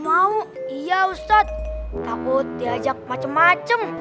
mau iya ustadz takut diajak macem macem